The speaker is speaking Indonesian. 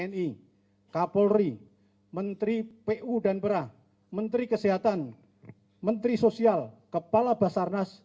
tni kapolri menteri pu dan pera menteri kesehatan menteri sosial kepala basarnas